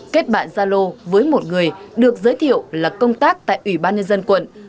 kết bạn gia lô với một người được giới thiệu là công tác tại ubnd quận